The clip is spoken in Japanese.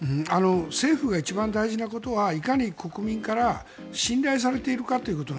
政府が一番大事なことはいかに国民から信頼されているかということ。